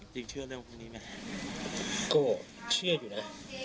จริงเชื่อเรื่องพวกนี้ไหมก็เชื่ออยู่นะ